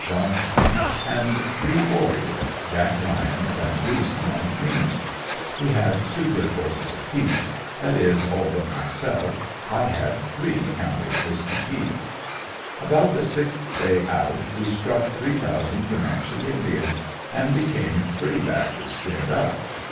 Johnson, and three warriors, Jack Ryan, Vanduzen and myself. We had two good horses apiece, that is, all but myself, I had three counting Whisky peet. About the sixth day out we struck three thousand Comanche Indians and became pretty badly scared up.